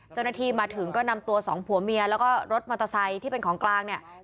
เจ้าหน้าที่มาถึงก็นำตัวสองผัวเมียแล้วก็รถมอเตอร์ไซค์ที่เป็นของกลางเนี่ย